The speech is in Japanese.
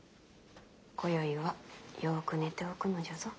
こよいはよく寝ておくのじゃぞ。